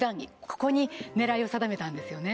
ここに狙いを定めたんですよね